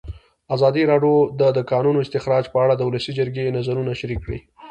ازادي راډیو د د کانونو استخراج په اړه د ولسي جرګې نظرونه شریک کړي.